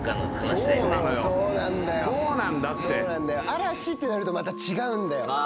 嵐ってなるとまた違うんだよ。